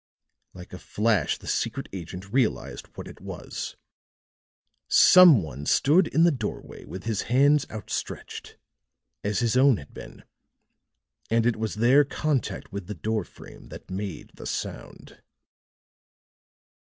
Like a flash the secret agent realized what it was. Some one stood in the doorway with his hands outstretched, as his own had been, and it was their contact with the door frame that made the sound.